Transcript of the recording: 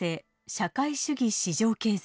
社会主義市場経済。